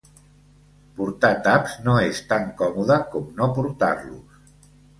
Portar taps no és tan còmode com no portar-los.